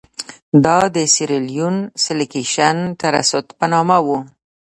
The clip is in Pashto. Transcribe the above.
دا د سیریلیون سیلکشن ټرست په نامه وو.